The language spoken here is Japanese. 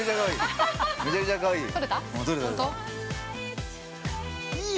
◆めちゃくちゃかわいい。